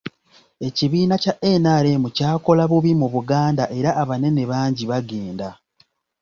Ekibiina kya NRM kyakola bubi mu Buganda era abanene bangi bagenda.